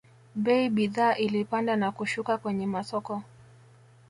bei bidhaa ilipanda na kushuka kwenye masoko